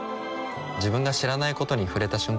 自分が知らないことに触れた瞬間